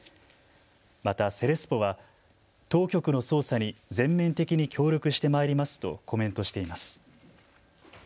またセレスポは当局の捜査に全面的に協力してまいりますとコメントしています。